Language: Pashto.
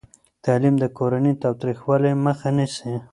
تعلیم د کورني تاوتریخوالي مخه نیسي.